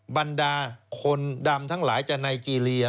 บรรดาคนดำทั้งหลายจะไนเจรีย